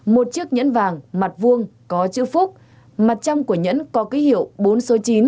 một chiếc nhẫn vàng mặt vuông có chữ phúc mặt trong của nhẫn có ký hiệu bốn số chín